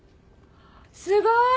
すごーい！